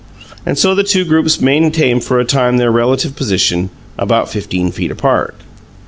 And so the two groups maintained for a time their relative positions, about fifteen feet apart.